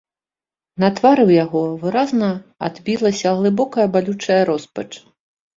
На твары ў яго выразна адбілася глыбокая балючая роспач.